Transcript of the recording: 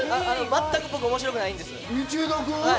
全く僕、面白くないんですよ。